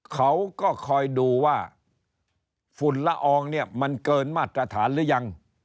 เขาก็คอยดูว่าฝุ่นละอองเนี่ยมันเกินมาตรฐานหรือยัง